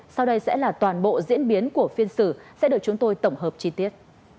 sau đây sẽ là toàn bộ diễn biến của phiên xử sẽ được chúng tôi tổng hợp chi tiết